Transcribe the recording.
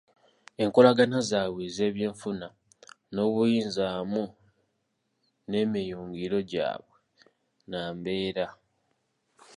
Enkolagana zaabwe ez’ebyenfuna n’obuyinza wamu n’emiyungiro gyabwe nnambeera.